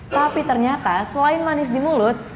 tapi ternyata selain manis di mulut